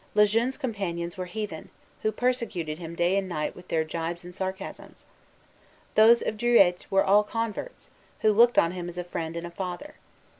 Le Jeune's companions were heathen, who persecuted him day and night with their gibes and sarcasms. Those of Druilletes were all converts, who looked on him as a friend and a father.